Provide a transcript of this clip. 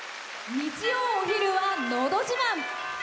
日曜お昼は「のど自慢」。